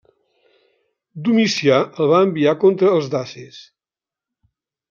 Domicià el va enviar contra els dacis.